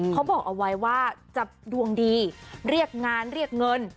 เขาบอกเอาไว้ว่าจะดวงดีเรียกงานเรียกเงิน